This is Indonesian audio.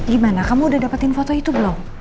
gimana kamu udah dapetin foto itu belum